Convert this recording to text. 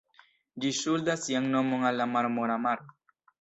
Ĝi ŝuldas sian nomon al la Marmora maro.